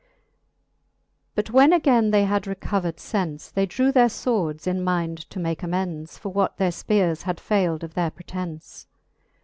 But when againe they had recovered fence, They drew their fwords, in mind to make amends For what their fpeares had fayld of their pretence.